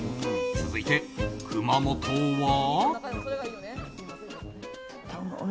続いて、熊元は。